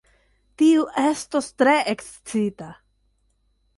Tiu estos tre ekscita!